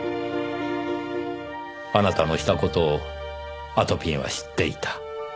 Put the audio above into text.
あなたのした事をあとぴんは知っていた。